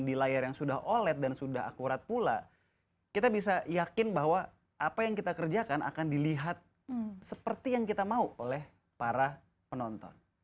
di layar yang sudah oled dan sudah akurat pula kita bisa yakin bahwa apa yang kita kerjakan akan dilihat seperti yang kita mau oleh para penonton